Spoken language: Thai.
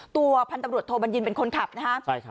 ตัวพันธบรวจโทบัญญินเป็นคนขับนะฮะใช่ค่ะ